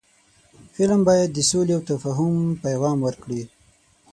فلم باید د سولې او تفاهم پیغام ورکړي